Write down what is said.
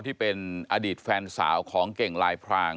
ที่เป็นอดีตแฟนสาวของเก่งลายพราง